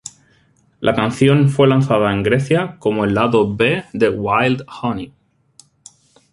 La canción fue lanzada en Grecia como el lado B de "Wild Honey".